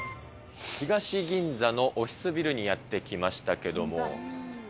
東銀座のオフィスビルにやって来ましたけれども。